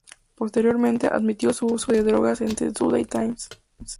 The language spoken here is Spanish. Posteriormente, admitió su uso de drogas en "The Sunday Times".